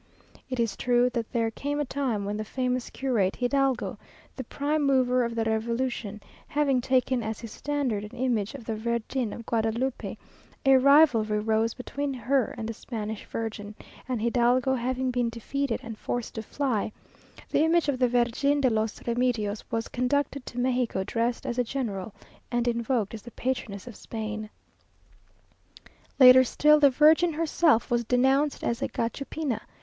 It is true that there came a time when the famous curate Hidalgo, the prime mover of the Revolution, having taken as his standard an image of the Virgin of Guadalupe, a rivalry arose between her and the Spanish Virgin; and Hidalgo having been defeated and forced to fly, the image of the Virgen de los Remedios was conducted to Mexico dressed as a general, and invoked as the patroness of Spain. Later still, the Virgin herself was denounced as a Gachupina!